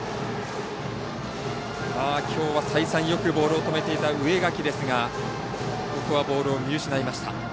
きょうは再三よくボールを止めていた植垣ですがここはボールを見失いました。